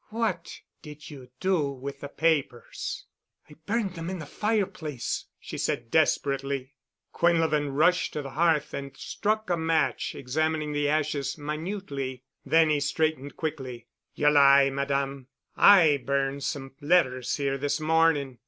"What did you do with the papers?" "I burned them in the fireplace," she said desperately. Quinlevin rushed to the hearth and struck a match, examining the ashes minutely. Then he straightened quickly. "You lie, Madame. I burned some letters here this morning.